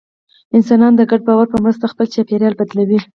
انسانان د ګډ باور په مرسته خپل چاپېریال بدلوي.